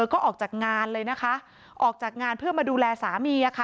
ก็ออกจากงานเลยนะคะออกจากงานเพื่อมาดูแลสามีค่ะ